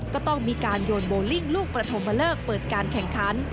ก็ต้องมีการโยนโบลิ่งลูกประธมเลิกเปิดการแข่งขัน